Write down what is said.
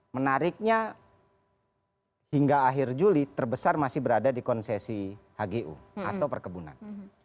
menariknya hingga akhir juli terbesar masih berada di konsesi hgu atau perkebunan